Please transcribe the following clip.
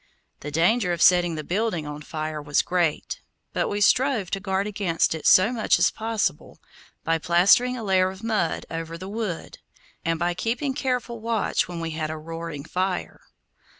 The danger of setting the building on fire was great; but we strove to guard against it so much as possible by plastering a layer of mud over the wood, and by keeping careful watch when we had a roaring fire.